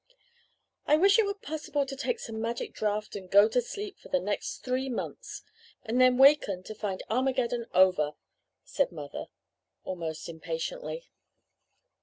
"'I wish it were possible to take some magic draught and go to sleep for the next three months and then waken to find Armageddon over,' said mother, almost impatiently.